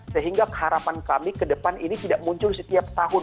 sehingga harapan kami ke depan ini tidak muncul setiap tahun